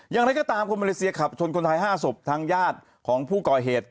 อย่างไรก็ตามคนมาเลเซียขับชนคนไทย๕ศพทางญาติของผู้ก่อเหตุ